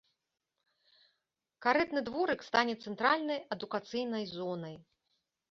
Карэтны дворык стане цэнтральнай адукацыйнай зонай.